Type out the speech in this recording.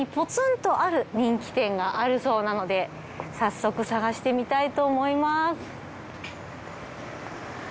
とある人気店があるそうなので早速探してみたいと思います。